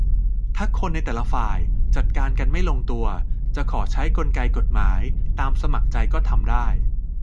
- ถ้าคนในแต่ละฝ่ายจัดการกันไม่ลงตัว จะขอใช้กลไกกฎหมาย ตามสมัครใจ ก็ทำได้